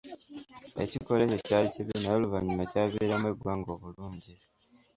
Ekikolwa ekyo kyali kibi, naye oluvannyuma kyaviiramu eggwanga obulungi.